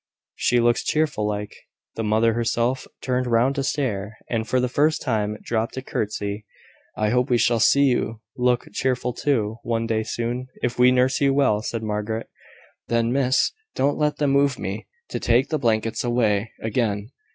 She looks cheerful like." The mother herself turned round to stare, and, for the first time, dropped a curtsey. "I hope we shall see you look cheerful too, one day soon, if we nurse you well," said Margaret. "Then, Miss, don't let them move me, to take the blankets away again."